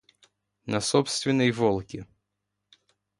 на собственной "Волге".